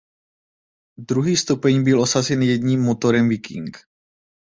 Druhý stupeň byl osazen jedním motorem Viking.